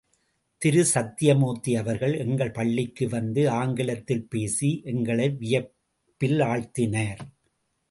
திரு சத்யமூர்த்தி அவர்கள் எங்கள் பள்ளிக்கு வந்து ஆங்கிலத்தில் பேசி எங்களை வியப்பில் ஆழ்த்தினார்.